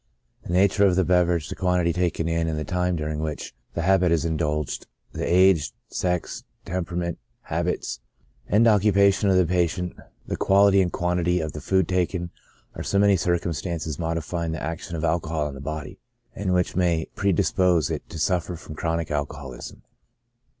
The nature of the beverage, the quantity taken, and the time during which the habit has been indulged, the age, sex, temperament, habits, and occupation of the patient, the quality and quan tity of the food taken, are so many circumstances modify ing the action of alcohol on the body, and which may predispose it to suffer from chronic alcoholism.